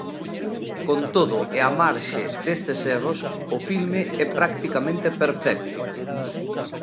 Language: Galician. Con todo, e á marxe destes erros, o filme é practicamente perfecto.